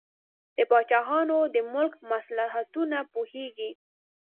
د پاچاهانو د ملک مصلحتونه پوهیږي.